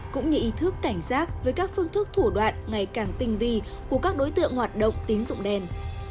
cũng như ý thức cảnh giác với các phương thức thủ đoạn ngày càng tinh vi của các đối tượng hoạt động tín dụng đen